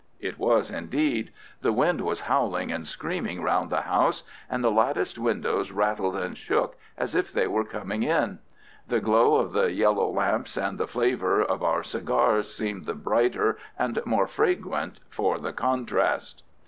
It was, indeed. The wind was howling and screaming round the house, and the latticed windows rattled and shook as if they were coming in. The glow of the yellow lamps and the flavour of our cigars seemed the brighter and more fragrant for the contrast.